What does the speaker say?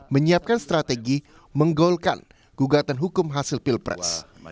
menyiapkan strategi menggolkan gugatan hukum hasil pilpres